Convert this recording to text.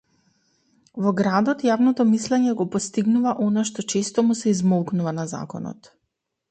Во градот јавното мислење го постигнува она што често му се измолкнува на законот.